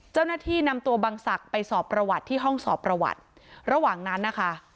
เจ้าหน้าที่นำตัวบังศักดิ์ไปสอบประวัติที่ห้องสอบประวัติระหว่างนั้นนะคะ